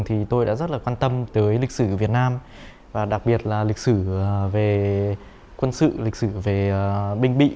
thì tôi đã rất là quan tâm tới lịch sử việt nam và đặc biệt là lịch sử về quân sự lịch sử về binh bị